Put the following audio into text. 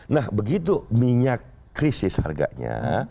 nah begitu minyak krisis harganya